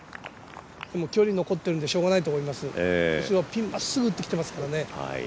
距離残ってるんでしょうがないと思いますピンまっすぐ打ってきてますからね。